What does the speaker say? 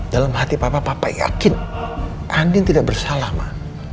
dalam hati papa papa yakin andin tidak bersalah ma